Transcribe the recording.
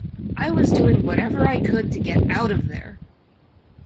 I was doing whatever I could to get out of there.